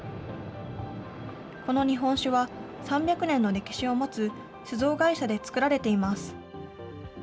この日本酒は、３００年の歴史を持つ酒造会社で造られています。